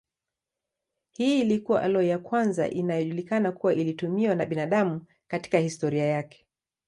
Hii ilikuwa aloi ya kwanza inayojulikana kuwa ilitumiwa na binadamu katika historia yake.